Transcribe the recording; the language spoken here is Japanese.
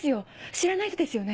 知らない人ですよね？